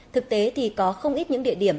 thực tế thì có không ít những địa điểm